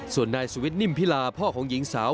ส่วนนายสุวิทย์นิ่มพิลาพ่อของหญิงสาว